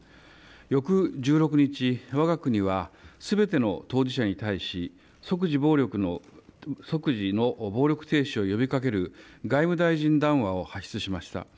翌１６日、わが国はすべての当事者に対し即時の暴力停止を呼びかける外務大臣談話を発出しました。